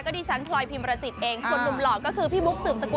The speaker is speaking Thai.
ก็ดิฉันพลอยพิมพ์ประจิตเองอ่าส่วนหนุ่มหลอดก็คือพี่บุ๊กสืบสกุล